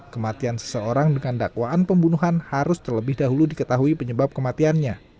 kematian seseorang dengan dakwaan pembunuhan harus terlebih dahulu diketahui penyebab kematiannya